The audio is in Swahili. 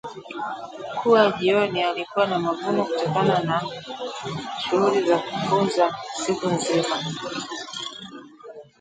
kuwa jioni alikuwa na mavuno kutokana na shughuli za kufunza siku nzima